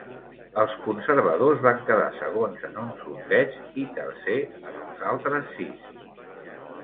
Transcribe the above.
Els conservadors van quedar segons en un sondeig, i tercers en els altres sis.